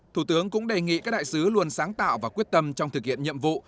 thủ tướng cũng đề nghị các đại sứ luôn sáng tạo và quyết tâm trong thực hiện nhiệm vụ